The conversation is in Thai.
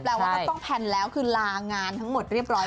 ว่าต้องแพลนแล้วคือลางานทั้งหมดเรียบร้อย